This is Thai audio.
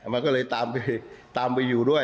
มันก็เลยตามไปอยู่ด้วย